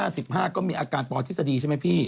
วันนี้หน้า๑๕ธติก็มีอาการปลอทฤษฎีใช่ไหมพี่